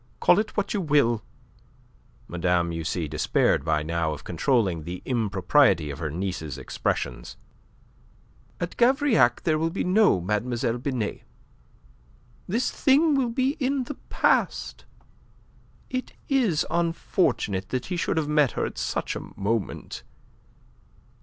"Call it what you will." Madame, you see, despaired by now of controlling the impropriety of her niece's expressions. "At Gavrillac there will be no Mlle. Binet. This thing will be in the past. It is unfortunate that he should have met her at such a moment.